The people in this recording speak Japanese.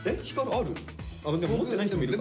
あでも持ってない人もいるか。